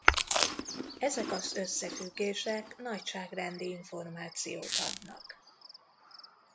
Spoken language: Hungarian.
Ezek az összefüggések nagyságrendi információt adnak.